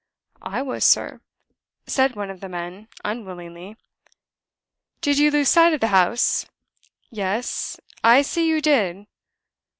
"I was, sir," said one of the men, unwillingly. "Did you lose sight of the house? Yes! I see you did."